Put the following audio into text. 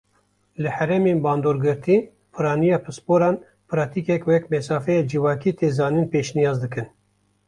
Li herêmên bandorgirtî, piraniya pisporan pratîkek wek mesafeya civakî tê zanîn pêşniyaz dikin.